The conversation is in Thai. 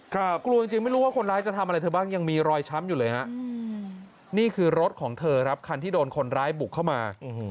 กลัวจริงไม่รู้ว่าคนร้ายจะทำอะไรเธอบ้างยังมีรอยช้ำอยู่เลยฮะนี่คือรถของเธอครับคันที่โดนคนร้ายบุกเข้ามา